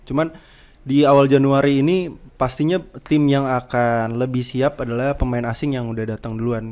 cuman di awal januari ini pastinya tim yang akan lebih siap adalah pemain asing yang udah datang duluan